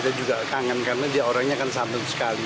dia juga kangen karena dia orangnya kan santun sekali